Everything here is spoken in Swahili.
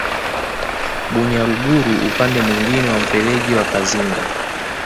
Bunyaruguru upande mwingine wa mfereji wa Kazinga